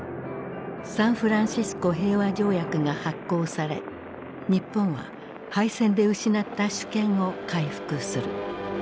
サンフランシスコ平和条約が発効され日本は敗戦で失った主権を回復する。